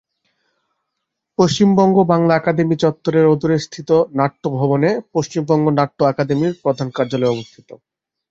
পশ্চিমবঙ্গ বাংলা আকাদেমি চত্বরের অদূরে স্থিত নাট্য ভবনে পশ্চিমবঙ্গ নাট্য আকাদেমির প্রধান কার্যালয় অবস্থিত।